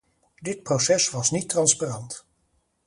Dit proces was niet transparant.